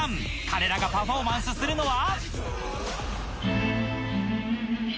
彼らがパフォーマンスするのは